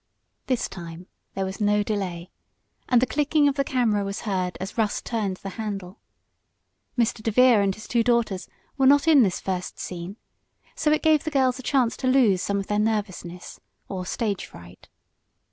This time there was no delay, and the clicking of the camera was heard as Russ turned the handle. Mr. DeVere and his two daughters were not in this first scene, so it gave the girls a chance to lose some of their nervousness or "stage fright."